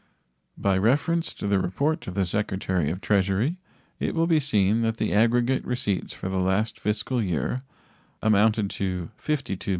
By reference to the report of the Secretary of the Treasury it will be seen that the aggregate receipts for the last fiscal year amounted to $52,312,979.